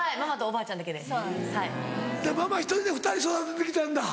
ママ１人で２人育てて来たんだ。